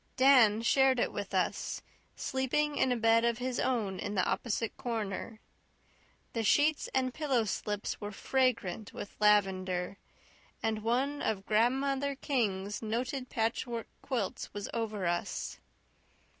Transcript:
Dan shared it with us, sleeping in a bed of his own in the opposite corner. The sheets and pillow slips were fragrant with lavender, and one of Grandmother King's noted patchwork quilts was over us.